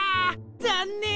ざんねん。